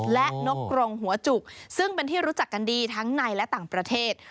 และนกกรงหัวจุกซึ่งเป็นที่รู้จักกันดีทั้งในและต่างประเทศ